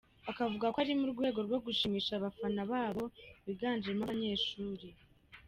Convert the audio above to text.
Akavuga ko ari mu rwego rwo gushimisha abafana babo biganjemo abanyeshuri.